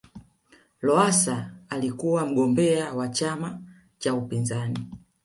lowasa alikuwa mgombea wa chama cha upinzani